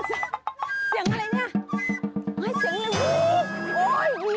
เสียงอะไรเนี่ยเสียงอะไรโอ๊ยหยีบขนาดนี้โอ๊ยอะไรเนี่ย